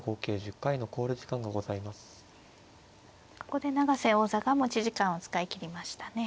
ここで永瀬王座が持ち時間を使い切りましたね。